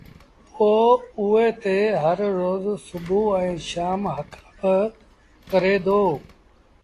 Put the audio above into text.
پو اُئي تي هر روز سڀو ائيٚݩ شآم هڪل با ڪري دو